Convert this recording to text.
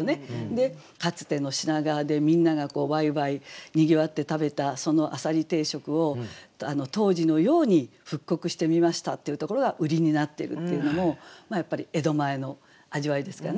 でかつての品川でみんながワイワイにぎわって食べたその浅蜊定食を当時のように覆刻してみましたっていうところが売りになっているっていうのもやっぱり江戸前の味わいですかね。